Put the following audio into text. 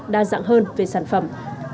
đa dạng hơn về sản phẩm